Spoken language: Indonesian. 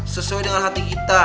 sesuai dengan hati kita